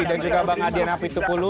dan juga bang adrian apitukulu